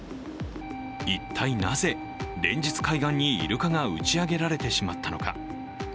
一体なぜ、連日海岸にイルカが打ち上げられてしまったのか。